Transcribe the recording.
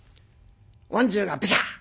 おまんじゅうがビシャッ。